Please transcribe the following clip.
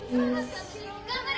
頑張れ！